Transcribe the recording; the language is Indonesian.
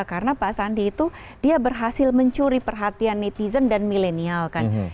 karena pak sandi itu dia berhasil mencuri perhatian netizen dan milenial kan